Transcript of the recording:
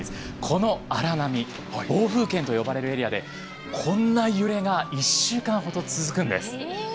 この荒波「暴風圏」と呼ばれるエリアでこんな揺れが１週間ほど続くんです。